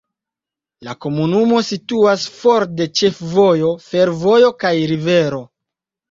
La komunumo situas for de ĉefvojo, fervojo kaj rivero.